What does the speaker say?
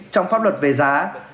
trong pháp luật về giá